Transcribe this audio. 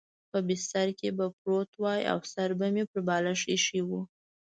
په بستره کې به پروت وای او سر به مې پر بالښت اېښی و.